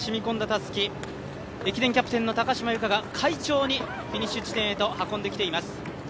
たすき駅伝キャプテン・高島由香が快調にフィニッシュ地点へとつないでいます。